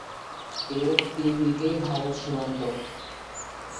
এর তিন দিকেই ভারত সীমান্ত।